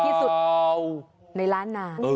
ที่สุดในล้านนา